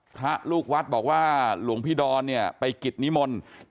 พระลูกวัดบอกว่าหลวงพี่ดอนเนี่ยไปกิจนิมนต์